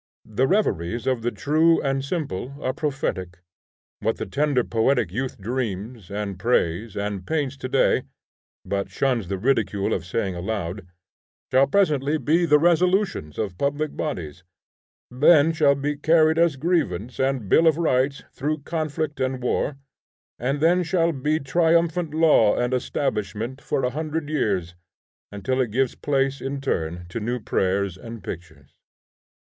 The reveries of the true and simple are prophetic. What the tender poetic youth dreams, and prays, and paints to day, but shuns the ridicule of saying aloud, shall presently be the resolutions of public bodies; then shall be carried as grievance and bill of rights through conflict and war, and then shall be triumphant law and establishment for a hundred years, until it gives place in turn to new prayers and pictures.